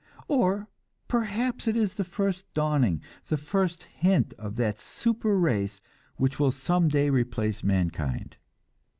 Or perhaps it is the first dawning, the first hint of that super race which will some day replace mankind.